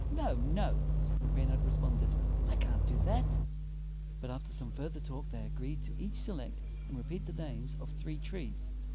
"No, no," Reynard responded. "I can't do that." But after some further talk they agreed to each select and repeat the names of three trees.